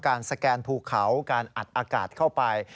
สแกนภูเขาการอัดอากาศเข้าไป